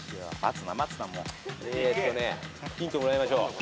えっとねヒントもらいましょう。